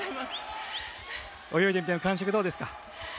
泳いでみての感触いかがですか。